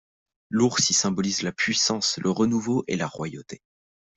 L'ours y symbolise la puissance, le renouveau et la royauté.